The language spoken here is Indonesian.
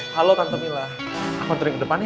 halo tante mila aku ntarin ke depan ya